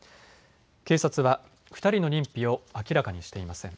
警察は２人の認否を明らかにしていません。